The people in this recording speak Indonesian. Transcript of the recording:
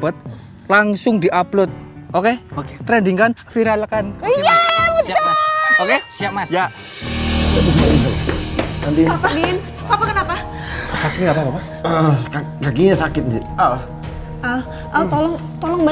sampai jumpa di video selanjutnya